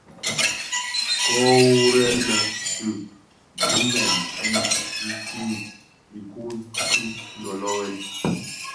Köö worrè lè, di bubmèn din didhi idun ki lölölen.